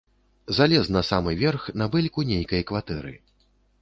Залез на самы верх, на бэльку нейкай кватэры.